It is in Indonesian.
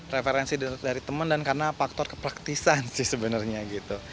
referensi dari teman dan karena faktor kepraktisan sih sebenarnya gitu